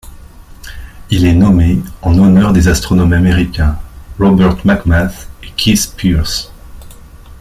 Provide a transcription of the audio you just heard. Il est nommé en honneur des astronomes américains Robert McMath et Keith Pierce.